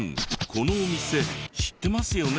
このお店知ってますよね？